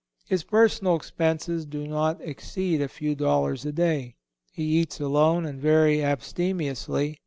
His personal expenses do not exceed a few dollars a day. He eats alone and very abstemiously.